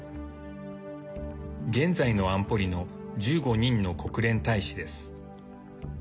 現在の安保理の１５人の国連大使です。